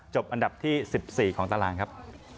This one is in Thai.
อันดับที่๑๔ของตารางครับ